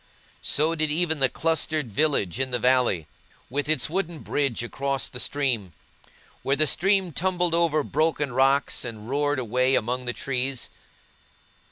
So did even the clustered village in the valley, with its wooden bridge across the stream, where the stream tumbled over broken rocks, and roared away among the trees.